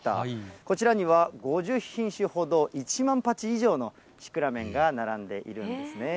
こちらには、５０品種ほど１万鉢以上のシクラメンが並んでいるんですね。